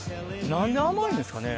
なんで甘いんですかね。